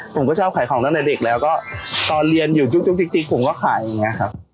ผมก็ชอบขายของตั้งแต่เด็กแล้วก็ตอนเรียนอยู่จุ๊กจิ๊กผมก็ขายอย่างนี้ครับ